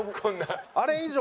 あれ以上？